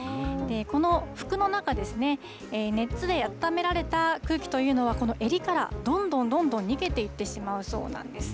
この服の中、熱であっためられた空気というのは、この襟からどんどんどんどん逃げていってしまうそうなんです。